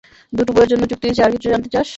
দুটো বইয়ের জন্য চুক্তি হয়েছে, আর কিছু জানতে চাস?